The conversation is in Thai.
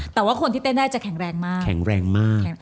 แต่ว่าคนที่เต้นได้จะแข็งแรงมาก